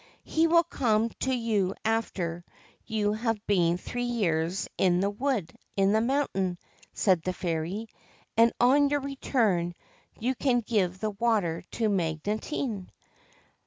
' He will come to you after you have been three years in the wood in the mountain,' said the fairy ;' and on your return you can give the water to Magotine.'